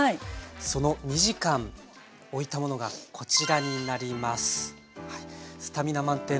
その２時間おいたものがこちらになります。